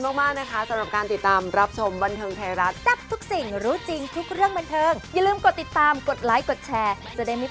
รักรักทุกวันแต่เหนือสิ่งอื่นใดเนี่ยเขาก็มีเบบีไง